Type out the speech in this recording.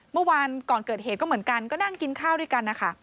เมื่อวานก่อนเกิดเหตุก็เหมือนกันก็นั่งกินข้าวด้วยกันนะคะ